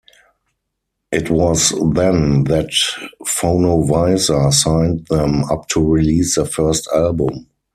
It was then that Fonovisa signed them up to release their first album.